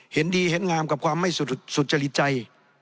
เห็นดีเห็นงามกับความไม่สุจริตใจ